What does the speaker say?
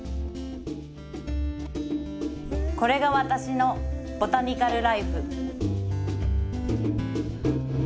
これが私のボタニカル・らいふ。